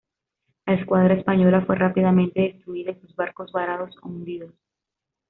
La Escuadra española fue rápidamente destruida y sus barcos varados o hundidos.